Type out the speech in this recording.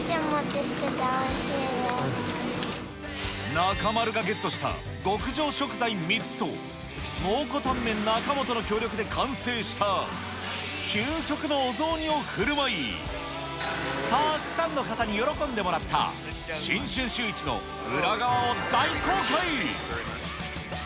中丸がゲットした極上食材３つと、蒙古タンメン中本の協力で、完成した、究極のお雑煮をふるまい、たくさんの方に喜んでもらった、新春シューイチの裏側を大公開。